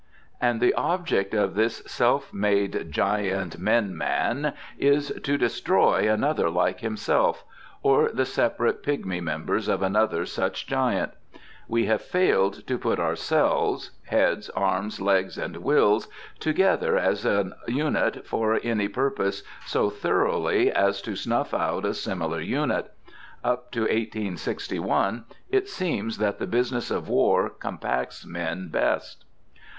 And the object of this self made giant, men man, is to destroy another like himself, or the separate pigmy members of another such giant. We have failed to put ourselves heads, arms, legs, and wills together as a unit for any purpose so thoroughly as to snuff out a similar unit. Up to 1861, it seems that the business of war compacts men best.